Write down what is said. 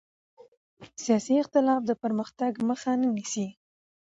سیاسي اختلاف د پرمختګ مخه نه نیسي